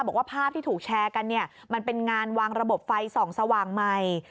บอกว่าภาพที่ถูกแชร์กันเนี่ยมันเป็นงานวางระบบไฟส่องสว่างใหม่